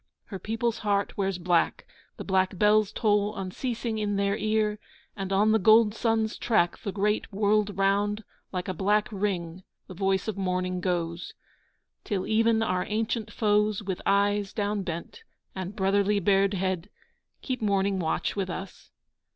Her people's heart wears black, The black bells toll unceasing in their ear, And on the gold sun's track The great world round Like a black ring the voice of mourning goes, Till even our ancient foes With eyes downbent, and brotherly bared head, Keep mourning watch with us.